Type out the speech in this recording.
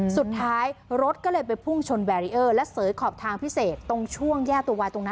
สุดท้ายรถก็เลยไปพุ่งชนแบรีเออร์และเสยขอบทางพิเศษตรงช่วงแยกตัววายตรงนั้น